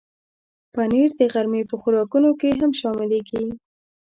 پنېر د غرمې په خوراکونو کې هم شاملېږي.